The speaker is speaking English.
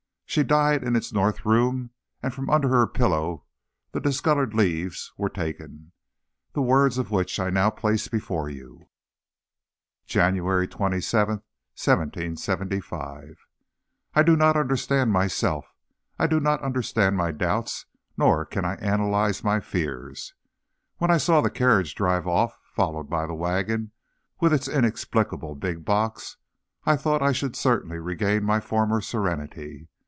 She died in its north room, and from under her pillow the discolored leaves were taken, the words of which I now place before you. JANUARY 28, 1775. I do not understand myself. I do not understand my doubts nor can I analyze my fears. When I saw the carriage drive off, followed by the wagon with its inexplicable big box, I thought I should certainly regain my former serenity.